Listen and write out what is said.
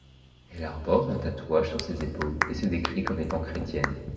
Elle arbore un tatouage sur ses épaules, et se décrit comme étant chrétienne.